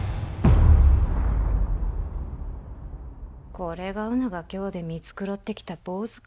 これがうぬが京で見繕ってきた坊主か。